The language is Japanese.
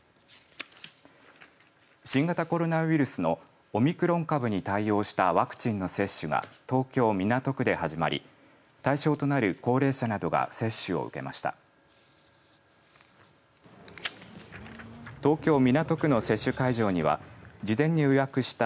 新型コロナウイルスのオミクロン株に対応したワクチンの接種が東京、港区で始まり対象となる高齢者などが接種を受けました。